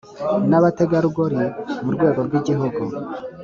N abategarugori mu rwego rw igihugu